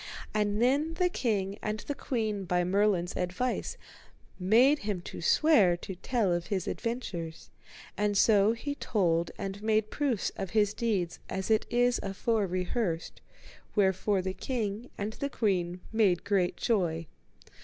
And then the king and the queen by Merlin's advice made him to swear to tell of his adventures, and so he told and made proofs of his deeds as it is afore rehearsed, wherefore the king and the queen made great joy.